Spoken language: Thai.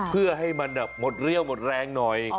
เพื่อให้มันหมดเรี่ยวหมดแรงหน่อย